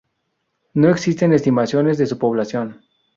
No existen estimaciones de su población.